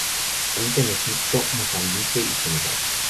Habita en Egipto, Mozambique y Senegal.